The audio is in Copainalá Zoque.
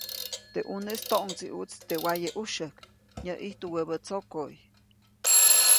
Teʼ ʼuneʼis toʼŋdsiʼuʼtsi teʼ waye ʼujsyäjk, nyäʼijtu wäbä tsokoʼy.